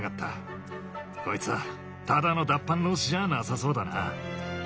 こいつただの脱藩浪士じゃなさそうだな。